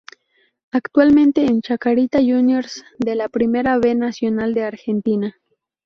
Actualmente en Chacarita Juniors de la Primera B Nacional de Argentina.